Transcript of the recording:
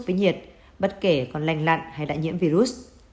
với nhiệt bất kể còn lành lặn hay đã nhiễm virus